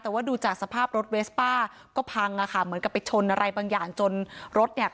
แต่ว่าดูจากสภาพรถเวสป้าก็พังอ่ะค่ะเหมือนกับไปชนอะไรบางอย่างจนรถเนี่ย